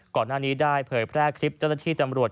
ก่อนหน้านี้ได้เผยแพร่คลิปเจ้าหน้าที่จำรวจ